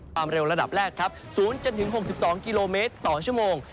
เร็วระดับแรกครับ๐จนถึง๖๒กิโลเมตรต่อชั่วโมง